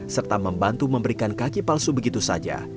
serta membantu memberikan kaki palsu begitu saja